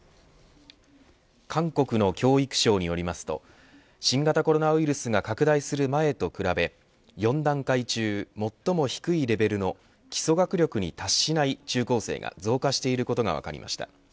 韓国の教育省によりますと新型コロナウイルスが拡大する前と比べ４段階中最も低いレベルの基礎学力に達しない中高生が増加していることが分かりました。